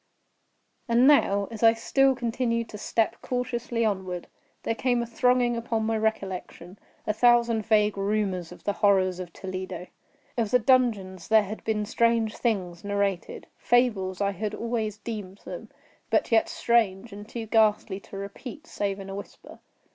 And now, as I still continued to step cautiously onward, there came thronging upon my recollection a thousand vague rumors of the horrors of Toledo. Of the dungeons there had been strange things narrated—fables I had always deemed them—but yet strange, and too ghastly to repeat, save in a whisper.